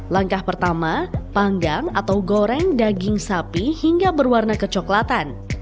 langkah pertama panggang atau goreng daging sapi hingga berwarna kecoklatan